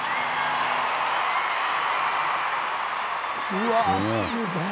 うわすごい！